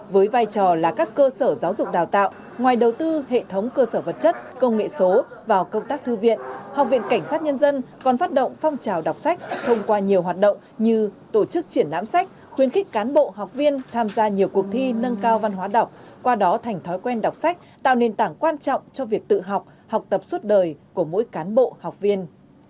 với vai trò là các cơ sở giáo dục đào tạo ngoài đầu tư hệ thống cơ sở vật chất công nghệ số vào công tác thư viện học viện cảnh sát nhân dân còn phát động phong trào đọc sách thông qua nhiều hoạt động như tổ chức triển lãm sách khuyến khích cán bộ học viên tham gia nhiều cuộc thi nâng cao văn hóa đọc qua đó thành thói quen đọc sách tạo nền tảng quan trọng cho việc tự học học tập suốt đời của mỗi cán bộ học viên